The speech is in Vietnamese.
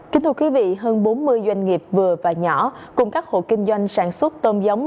kính thưa quý vị hơn bốn mươi doanh nghiệp vừa và nhỏ cùng các hộ kinh doanh sản xuất tôm giống